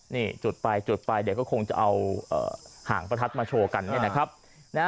นี่จุดไปจุดไปเดี๋ยวก็คงจะเอาห่างประทัดมาโชว์กัน